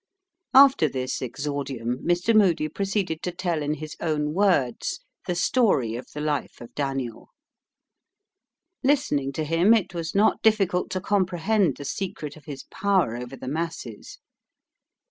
After this exordium, Mr. Moody proceeded to tell in his own words the story of the life of Daniel. Listening to him, it was not difficult to comprehend the secret of his power over the masses.